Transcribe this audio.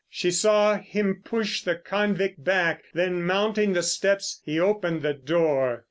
She saw him push the convict back, then, mounting the steps, he opened the door.